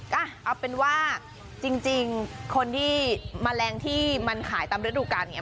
ก็เอาเป็นว่าจริงจริงคนที่แมลงที่มันขายตำระดูกันอย่างเงี้ย